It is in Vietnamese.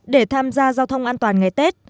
để tham gia giao thông an toàn ngày tết